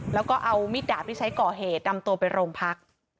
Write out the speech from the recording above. แล้วก็เอามิดดาบที่ใช้ก่อเหตุนำตัวไปโรงพัก